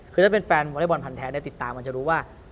คือถ้าเป็นแฟนวอเล็กบอลพันธ์แท้ติดตามมันจะรู้ว่า